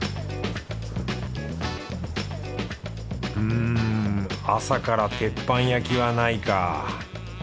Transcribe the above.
ん朝から鉄板焼きはないか。